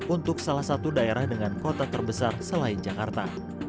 untuk salah satu daerah dengan kota terbesar selain jakarta